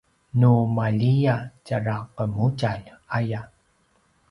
nu maljiya tjara qemudjalj aya